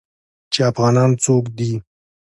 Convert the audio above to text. چې افغانان څوک دي.